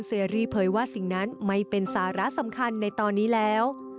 ซีรีส์เผยว่าสิ่งนั้นไม่เป็นสาระสำคัญในตอนนี้แล้ว